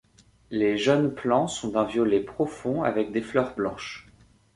Les jeunes plants sont d'un violet profond avec des fleurs blanches.